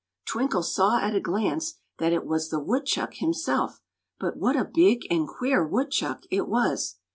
Twinkle saw at a glance that it was the woodchuck himself, but what a big and queer woodchuck it was!